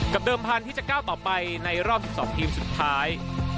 เดิมพันธุ์ที่จะก้าวต่อไปในรอบ๑๒ทีมสุดท้าย